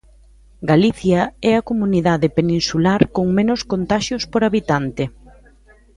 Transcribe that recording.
Galicia é a comunidade peninsular con menos contaxios por habitante.